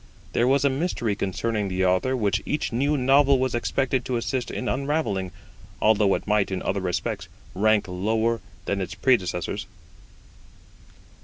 There was a mystery concerning the Author which each new novel was expected to assist in unravelling, although it might in other respects rank lower than its predecessors.